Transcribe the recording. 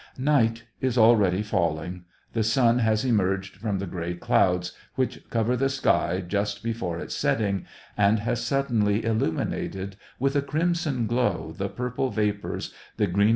Night is already falling. The sun has emerged from the gray clouds, which cover the sky just before its setting, and has suddenly illuminated with a crimson glow the purple vapors, the green SEVASTOPOL IN DECEMBER.